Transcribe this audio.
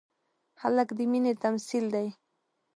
هلک د مینې تمثیل دی.